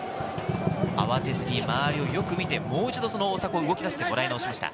慌てずに周りをよく見て、大迫に動き出してもらい直しました。